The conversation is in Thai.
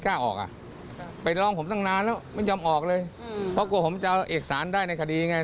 แต่กระติกเหมือนตอนนี้ใช้ทนายเดียวกับแซน